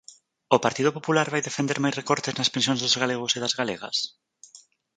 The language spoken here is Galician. ¿O Partido Popular vai defender máis recortes nas pensións dos galegos e das galegas?